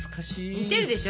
似てるでしょ